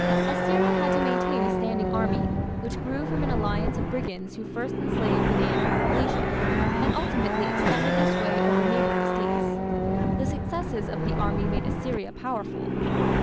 Assyria had to maintain a standing army, which grew from an alliance of brigands who first enslaved the native population, and ultimately extended their sway over neighbouring States. The successes of the army made Assyria powerful.